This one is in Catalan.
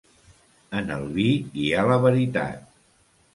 En el vi hi ha la veritat.